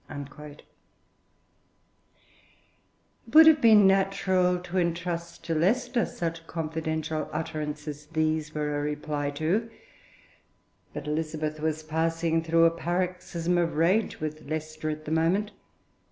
It would have been natural to entrust to Leicester such confidential utterances as these were a reply to. But Elizabeth was passing through a paroxysm of rage with Leicester at the moment.